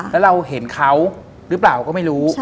แล้วเราเห็นเขาหรือเปล่าก็ไม่รู้